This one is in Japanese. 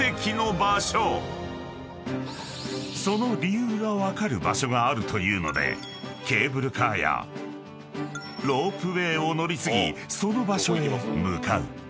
［その理由が分かる場所があるというのでケーブルカーやロープウェイを乗り継ぎその場所へ向かう］